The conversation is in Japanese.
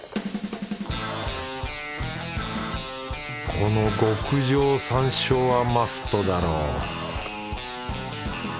この極上山椒はマストだろう